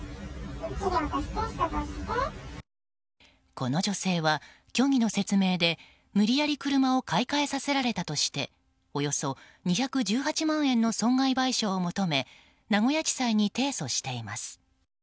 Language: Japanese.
この女性は虚偽の説明で無理やり車を買い替えさせられたとしておよそ２１８万円の損害賠償を求め名古屋地裁に提訴しています。